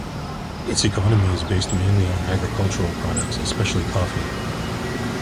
Its economy is based mainly on agricultural products, especially coffee.